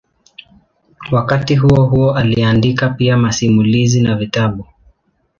Wakati huohuo aliandika pia masimulizi na vitabu.